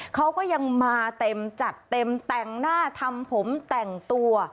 เขาก็ยังมาเต็มจัดเต็มแต่งหน้าทำผมแต่งตัว